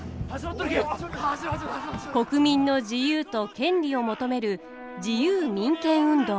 国民の自由と権利を求める自由民権運動。